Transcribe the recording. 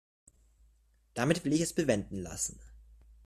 Damit will ich es bewenden lassen.